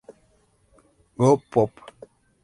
Go pop!